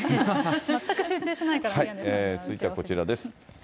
全く集中しないから、続いてはこちらです。